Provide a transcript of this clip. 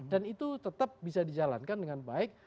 dan itu tetap bisa dijalankan dengan baik